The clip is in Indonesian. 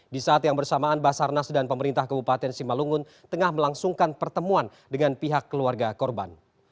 di saat yang bersamaan basarnas dan pemerintah kabupaten simalungun tengah melangsungkan pertemuan dengan pihak keluarga korban